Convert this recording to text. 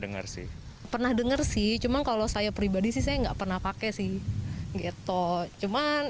dengar sih pernah dengar sih cuma kalau saya pribadi sih saya enggak pernah pakai sih gitu cuman